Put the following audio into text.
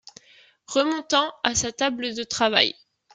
Remontant à sa table de travail.